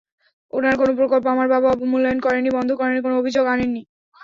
ওনার কোনো প্রকল্প আমার বাবা অবমূল্যায়ন করেননি, বন্ধ করেননি, কোনো অভিযোগ আনেননি।